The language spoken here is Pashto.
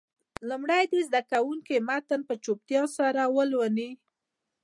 لومړی دې زده کوونکي متن په چوپتیا سره ولولي.